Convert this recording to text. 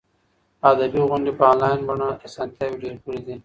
ادبي غونډې په انلاین بڼه اسانتیاوې ډېرې کړي دي.